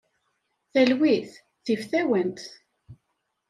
Talwit tif tawant.